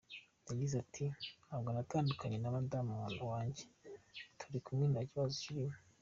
Yagize ati “Ntabwo natandukanye na madamu wanjye, turi kumwe nta kibazo kirimo.